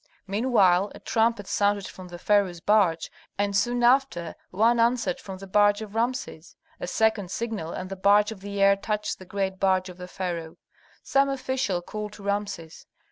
Meanwhile a trumpet sounded from the pharaoh's barge, and soon after one answered from the barge of Rameses. A second signal, and the barge of the heir touched the great barge of the pharaoh. Some official called to Rameses.